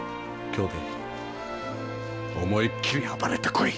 京で思いっきり暴れてこい。